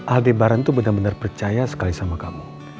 aldi baran tuh bener bener percaya sekali sama kamu